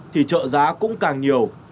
thì trợ giá cũng càng nhiều